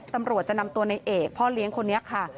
ตำรวจจะนำตัวในเอกพ่อเลี้ยงคนนี้ค่ะ